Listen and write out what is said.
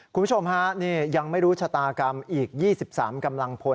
คุณผู้ชมฮะนี่ยังไม่รู้ชะตากรรมอีก๒๓กำลังพล